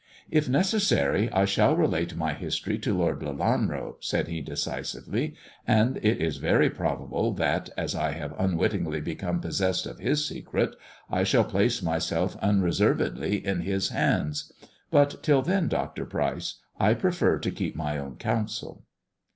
" If necessary I shall relate my history to Lord Lelanro," said he decisively, " and it is very probable that, as I have unwittingly become possessed of his secret, I shall place myself unreservedly in his hands. But till then, Dr. Pryce, I prefer to keep my own counsel."